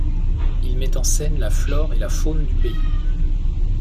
Il met en scène la flore et la faune du pays.